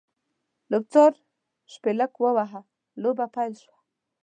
لوبڅار شپېلک ووهه؛ لوبه پیل شوه.